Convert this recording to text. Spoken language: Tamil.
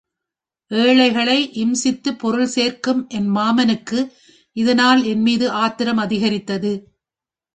ஏழைகளை இம்சித்துப் பொருள்சேர்க்கும் என் மாமனுக்கு இதனால் என்மீது ஆத்திரம் அதிகரித்தது.